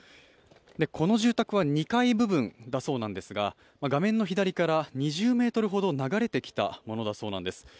この住宅は２階部分だそうなんですが画面の左から２０ｍほど流れてきたものなんだそうです。